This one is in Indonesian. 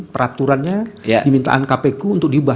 peraturannya dimintaan kpu untuk dibahas